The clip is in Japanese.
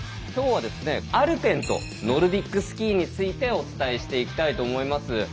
今日はアルペンとノルディックスキーについてお伝えしていきたいと思います。